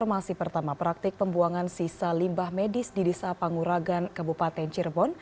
informasi pertama praktik pembuangan sisa limbah medis di desa panguragan kabupaten cirebon